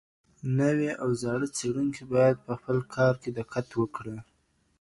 نوي او زاړه څېړونکي باید په خپل کار کې دقت وکړي.